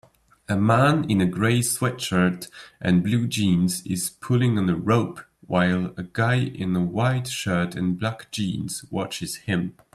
A man in a gray sweatshirt and blue jeans is pulling on a rope while a guy in a white shirt and black jeans watches him